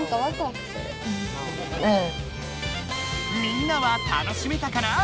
みんなは楽しめたかな？